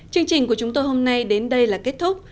chương trình của chúng tôi hôm nay đến đây là kết thúc